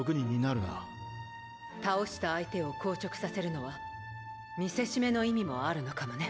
倒した相手を硬直させるのは見せしめの意味もあるのかもね。